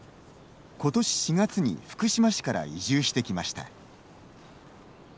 ことし４月に、福島市から移住してきました。